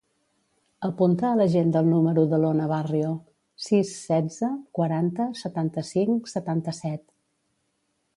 Apunta a l'agenda el número de l'Ona Barrio: sis, setze, quaranta, setanta-cinc, setanta-set.